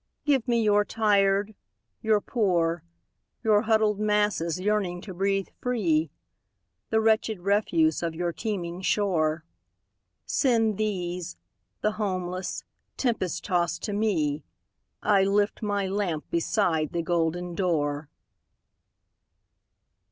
"Give me your tired, your poor, Your huddled masses yearning to breathe free, The wretched refuse of your teeming shore. Send these, the homeless, tempest tost to me,I lift my lamp beside the golden door!"